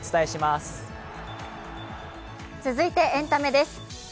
続いてエンタメです。